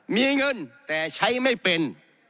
มีเงินแต่ใช้ไม่เป็น